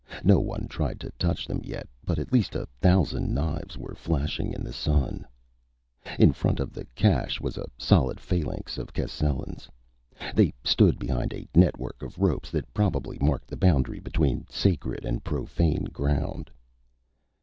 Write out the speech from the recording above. No one tried to touch them yet, but at least a thousand knives were flashing in the sun. In front of the cache was a solid phalanx of Cascellans. They stood behind a network of ropes that probably marked the boundary between sacred and profane ground.